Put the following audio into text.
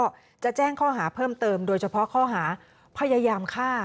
ความผิดใดอีกก็จะแจ้งข้อหาเพิ่มเติมโดยเฉพาะข้อหาพยายามฆ่า